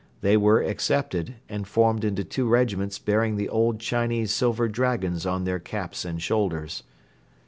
They were accepted and formed into two regiments bearing the old Chinese silver dragons on their caps and shoulders.